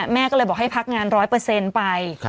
แม่ก็เลยบอกให้พักงานร้อยเปอร์เซ็นต์ไป